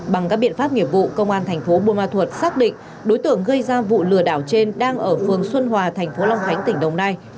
bằng các biện pháp nghiệp vụ công an tp buôn ma thuật xác định đối tượng gây ra vụ lừa đảo trên đang ở phường xuân hòa tp long khánh tỉnh đồng nai